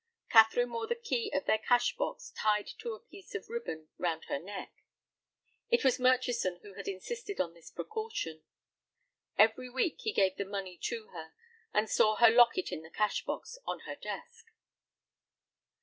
Catherine wore the key of their cash box tied to a piece of ribbon round her neck. It was Murchison who had insisted on this precaution. Every week he gave the money to her, and saw her lock it in the cash box on her desk.